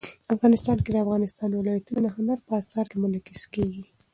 افغانستان کې د افغانستان ولايتونه د هنر په اثار کې منعکس کېږي.